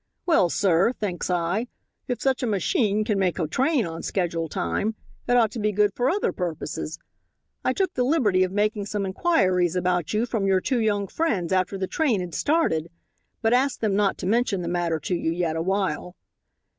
Well, sir, thinks I, if such a machine can make a train on schedule time it ought to be good for other purposes. I took the liberty of making some inquiries about you from your two young friends after the train had started, but asked them not to mention the matter to you yet awhile.